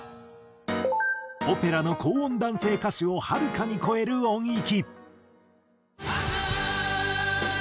オペラの高音男性歌手をはるかに超える音域。